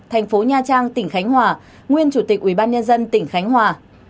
thành phố nha trang tỉnh khánh hòa nguyên chủ tịch ubnd tỉnh khánh hòa